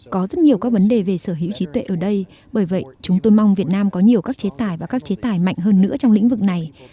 có rất nhiều các vấn đề về sở hữu trí tuệ ở đây bởi vậy chúng tôi mong việt nam có nhiều các chế tài và các chế tài mạnh hơn nữa trong lĩnh vực này